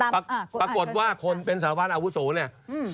ปรากฏว่าคนเป็นสารวัตรอาวุโสเนี่ย